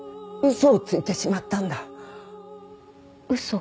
嘘？